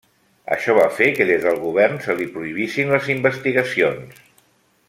Això va fer que des del govern se li prohibissin les investigacions.